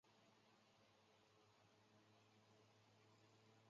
母康氏。